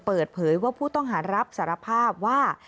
เปิดเผยว่าผู้ต้องหารับสารภาพว่า